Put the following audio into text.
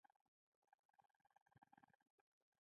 بهلول د عالم نه پوښتنه کوي.